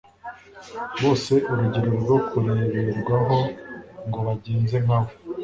bose urugero rwo kureberwaho ngo bagenze nka we